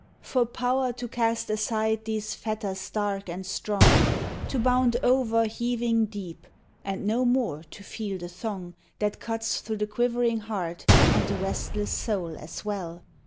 For power to cast aside these fetters dark and strong, To bound over heaving deep and no more to feel the thong That cuts through the quivering heart and the restless soul, as well!